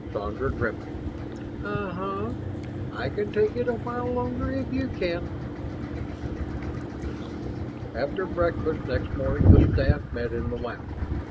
Sandra grimaced. "Uh huh. I can take it a while longer if you can." After breakfast next morning, the staff met in the lounge.